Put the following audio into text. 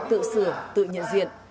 tự sửa tự nhận duyện